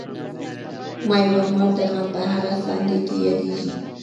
میوندوال د غم په هغه ساندې کې یادیږي.